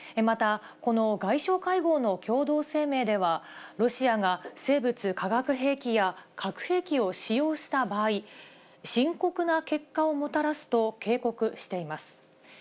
また、この外相会合の共同声明では、ロシアが生物・化学兵器や、核兵器を使用した場合、深刻な結果をもたらすと警告しています。